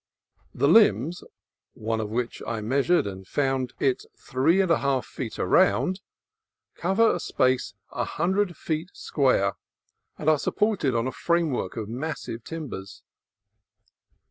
The limbs (one of which I measured and found it three and a half feet around) cover a space a hundred feet square, and are supported on a frame work of massive timbers.